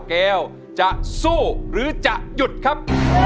เกลจะสู้หรือจะหยุดครับ